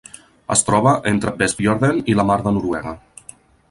Es troba entre Vestfjorden i la Mar de Noruega.